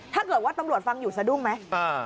ถ้าเกิดว่าตำรวจฟังอยู่สะดุ้งไหม